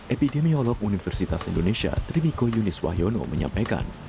epidemiolog universitas indonesia trimiko yunis wahyono menyampaikan